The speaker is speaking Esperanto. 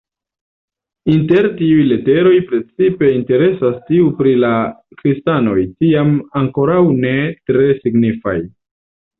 Inter tiuj leteroj precipe interesas tiu pri la kristanoj, tiam ankoraŭ ne tre signifaj.